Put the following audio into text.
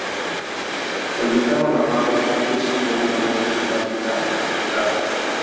Cayetano Navarro Fontes tuvo una muerte trágica e inesperada.